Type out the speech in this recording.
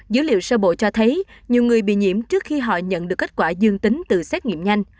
dữ liệu sơ bộ cho thấy nhiều người bị nhiễm trước khi họ nhận được kết quả dương tính từ xét nghiệm nhanh